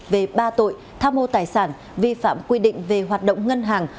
về ba tội tham mô tài sản vi phạm quy định về hoạt động ngân hàng